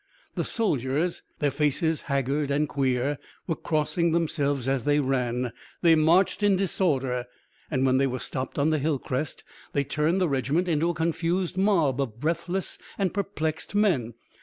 The soldiers, their faces haggard and queer, were crossing themselves as they ran. They marched in disorder, and when they were stopped on the hill crest, they turned the regiment into a confused mob of breathless and perplexed men.